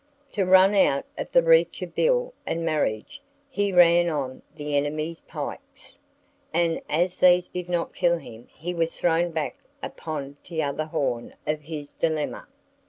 To run out of the reach of bill and marriage, he ran on the enemy's pikes; and as these did not kill him he was thrown back upon t'other horn of his dilemma.